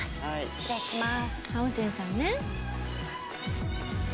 失礼します。